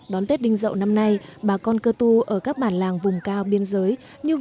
đón tết đinh dậu năm nay bà con cơ tu ở các bản làng vùng cao biên giới như